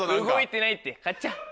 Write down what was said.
動いてないってカチャ。